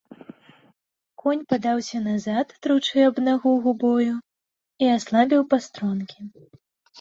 Конь падаўся назад, тручы аб нагу губою, і аслабіў пастронкі.